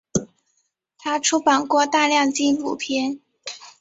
他出版过大量纪录片。